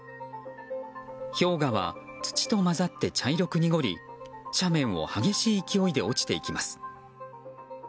氷河は土と混ざって茶色く濁り斜面を激しい勢いで落ちていきます。